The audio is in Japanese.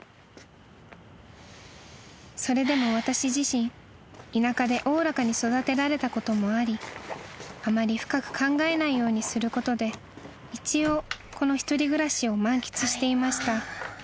［それでも私自身田舎でおおらかに育てられたこともありあまり深く考えないようにすることで一応この一人暮らしを満喫していました］